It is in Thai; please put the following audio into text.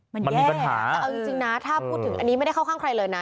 มันแย่มันมีปัญหาเออเอาจริงจริงนะถ้าพูดถึงอันนี้ไม่ได้เข้าข้างใครเลยน่ะ